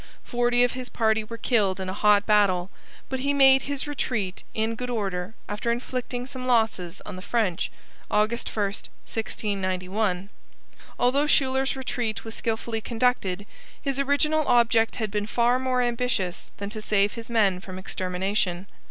Forty of his party were killed in a hot battle, but he made his retreat in good order after inflicting some losses on the French (August 1, 1691). Although Schuyler's retreat was skilfully conducted, his original object had been far more ambitious than to save his men from extermination.